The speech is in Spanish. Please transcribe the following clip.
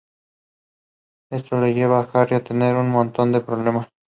Esto le lleva a Harry a tener un montón de problemas.